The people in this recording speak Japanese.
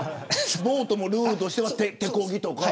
ボートもルールとしては手こぎとか。